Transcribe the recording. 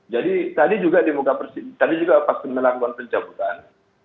jadi tadi juga di muka persis tadi juga pas menangguan pencabutan